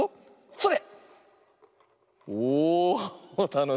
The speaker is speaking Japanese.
それ！